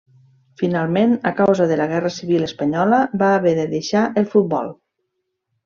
Finalment, a causa de la Guerra Civil Espanyola, va haver de deixar el futbol.